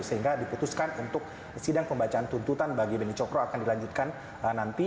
sehingga diputuskan untuk sidang pembacaan tuntutan bagi beni cokro akan dilanjutkan nanti